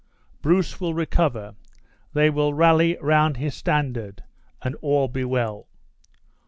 Bruce will recover, they will rally round his standard, and all be well."